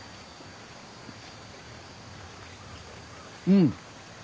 うん！